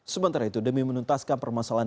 sementara itu demi menuntaskan permasalahan